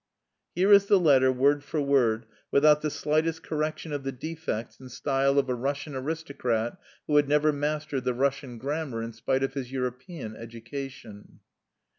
Here is the letter word for word, without the slightest correction of the defects in style of a Russian aristocrat who had never mastered the Russian grammar in spite of his European education.